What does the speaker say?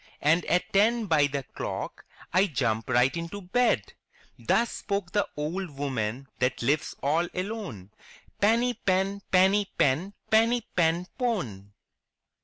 And at ten by the clock I jump right into bed!'' Thus spoke the old woman that lives all alone, Peeny Pen, Peeny Pen, Peeny Pen Pone